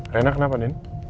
rena kenapa din